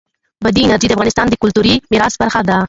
بادي انرژي د افغانستان د کلتوري میراث برخه ده.